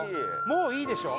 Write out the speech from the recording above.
もう、いいでしょ？